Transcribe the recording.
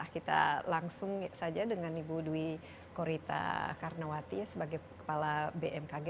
kita langsung saja dengan ibu dwi korita karnawati sebagai kepala bmkg